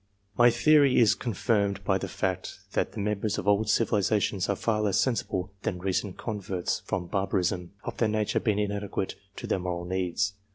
My theory is confirmed by the fact that the members of old civilizations are far less sensible than recent converts from barbarism, of their nature being inadequate to their moral needs.